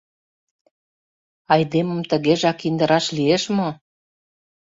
Айдемым тыгежак индыраш лиеш мо?